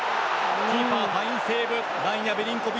キーパー、ファインセーブ。